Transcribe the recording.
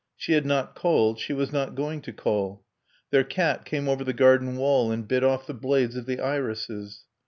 She had not called; she was not going to call. Their cat came over the garden wall and bit off the blades of the irises.